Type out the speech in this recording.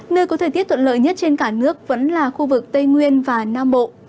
nơi có thời tiết thuận lợi nhất trên cả nước vẫn là khu vực tây nguyên và nam bộ